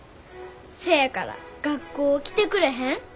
せやから学校来てくれへん？